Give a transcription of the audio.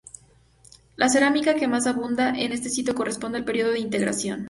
La cerámica que más abunda en este sitio corresponde al período de integración.